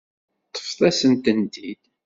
Ṭṭfet-asen-tent-id.